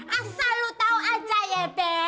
asal lo tau aja ya be